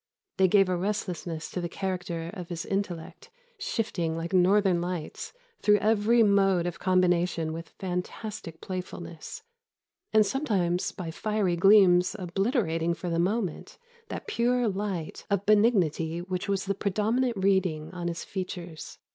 They gave a restlessness to the character of his intellect, shifting, like northern lights, through every mode of combination with fantastic playfulness; and sometimes by fiery gleams obliterating for the moment that pure light of benignity which was the predominant reading on his features."